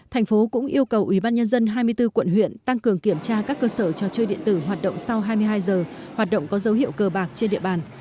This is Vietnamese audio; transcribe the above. thành phố cũng yêu cầu ubnd hai mươi bốn quận huyện tăng cường kiểm tra các cơ sở trò chơi điện tử hoạt động sau hai mươi hai h hoạt động có dấu hiệu cờ bạc trên địa bàn